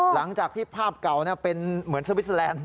หลังจากที่ภาพเก่าเป็นเหมือนสวิสเตอร์แลนด์